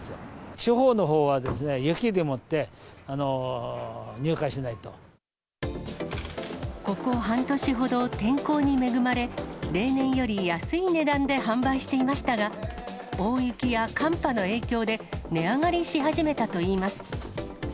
地方のほうはですね、雪でもって、ここ半年ほど、天候に恵まれ、例年より安い値段で販売していましたが、大雪や寒波の影響で値上がりし始めたといいます。